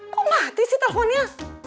kok mati sih teleponnya